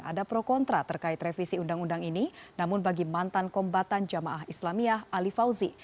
ada pro kontra terkait revisi undang undang ini namun bagi mantan kombatan jamaah islamiyah ali fauzi